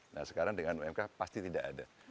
nah sekarang dengan umk pasti tidak ada